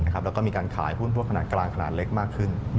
แล้วก็มีการขายหุ้นพวกขนาดกลางขนาดเล็กมากขึ้น